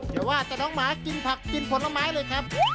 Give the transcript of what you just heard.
อย่าว่าแต่น้องหมากินผักกินผลไม้เลยครับ